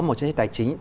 một chính sách tài chính